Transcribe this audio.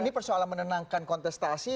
ini persoalan menenangkan kontestasi